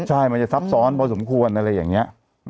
ใช่มันจะสับส้อนพอสมควรอะไรแบบนี้